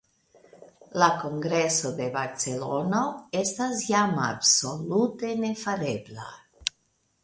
La kongreso en Barcelono estas jam absolute nefarebla.